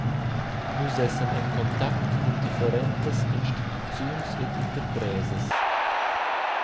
Nus essan en contact cun differentas instituziuns ed interpresas.